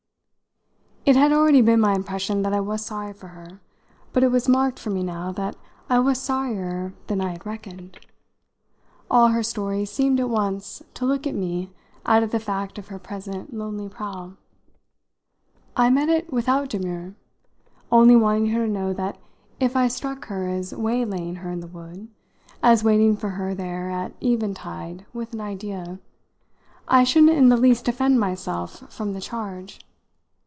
It had already been my impression that I was sorry for her, but it was marked for me now that I was sorrier than I had reckoned. All her story seemed at once to look at me out of the fact of her present lonely prowl. I met it without demur, only wanting her to know that if I struck her as waylaying her in the wood, as waiting for her there at eventide with an idea, I shouldn't in the least defend myself from the charge.